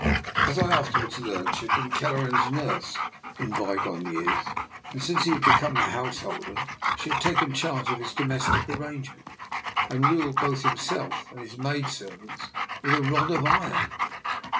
As I afterwards learnt, she had been Kelleran's nurse in by gone years, and since he had become a house holder she had taken charge of his domestic arrangements and ruled both himself and his maidservants with a rod of iron.